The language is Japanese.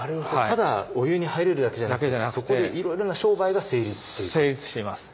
ただお湯に入れるだけじゃなくてそこでいろいろな商売が成立していた。